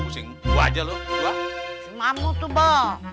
semamu tuh bah